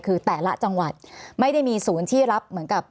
คือแต่ละจังหวัดไม่ได้มีศูนย์ที่รับเหมือนกับ